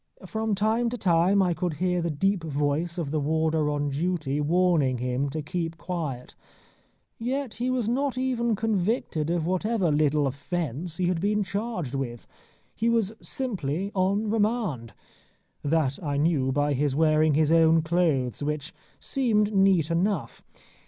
From time to time I could hear the deep voice of the warder on duty warning him to keep quiet. Yet he was not even convicted of whatever little offence he had been charged with. He was simply on remand. That I knew by his wearing his own clothes, which seemed neat enough.